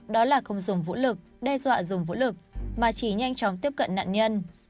đó là không dùng vũ lực đe dọa dùng vũ lực mà chỉ nhanh chóng tiếp cận nạn nhân